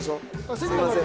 すいません。